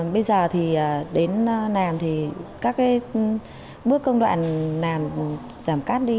bây giờ thì đến nàm thì các bước công đoạn nàm giảm cát đi